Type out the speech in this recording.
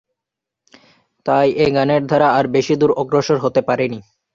তাই এ গানের ধারা আর বেশি দূর অগ্রসর হতে পারেনি।